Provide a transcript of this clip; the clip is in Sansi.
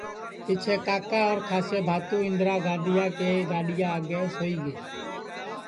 پِچھیں کاکا اور کھانٚسے بھاتو اِندرا گاندھیا کی گڈؔیا آگے سوئی گے